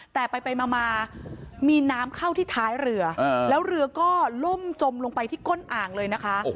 แต่ไปมามีน้ำเข้าที่ท้ายเรือแล้วเรือก็ล่มจมลงไปที่ก้นอ่างเลยนะคะ